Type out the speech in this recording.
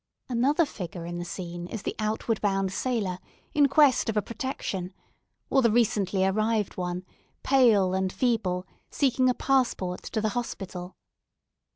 Another figure in the scene is the outward bound sailor, in quest of a protection; or the recently arrived one, pale and feeble, seeking a passport to the hospital.